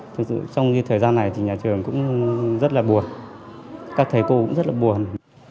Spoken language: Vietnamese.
trong thời gian này thì nhà trường cũng rất là buồn các thầy cô cũng rất là buồn